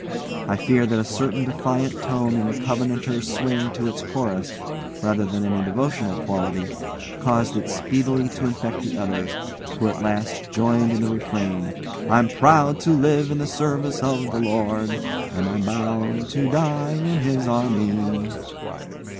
I fear that a certain defiant tone and Covenanter's swing to its chorus, rather than any devotional quality, caused it speedily to infect the others, who at last joined in the refrain: "I'm proud to live in the service of the Lord, And I'm bound to die in His army."